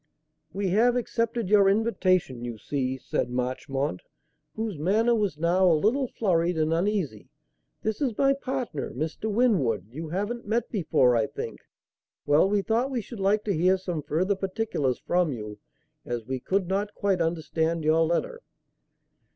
"We have accepted your invitation, you see," said Marchmont, whose manner was now a little flurried and uneasy. "This is my partner, Mr. Winwood; you haven't met before, I think. Well, we thought we should like to hear some further particulars from you, as we could not quite understand your letter."